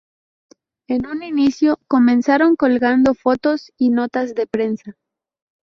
En un inicio comenzaron colgando fotos y notas de prensa.